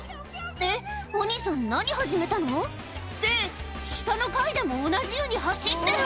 えっお兄さん何始めたの？って下の階でも同じように走ってる！